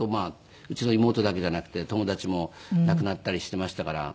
うちの妹だけじゃなくて友達も亡くなったりしていましたから。